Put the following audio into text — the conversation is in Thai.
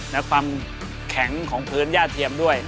และความแข็งของพื้นย่าเทียมด้วย